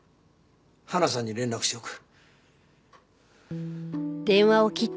花さんに連絡しておく。